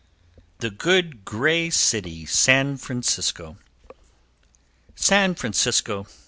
The Good Gray City San Francisco! San Francisco!